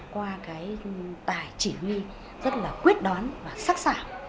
qua cái tài chỉ huy rất là quyết đoán và sắc xảo